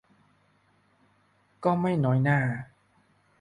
ก็ไม่น้อยหน้า